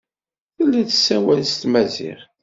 Tella tessawal s tmaziɣt.